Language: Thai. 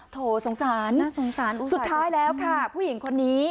โถสงสารน่าสงสารสุดท้ายแล้วค่ะผู้หญิงคนนี้